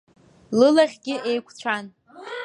Лылахьгьы еиқәцәан.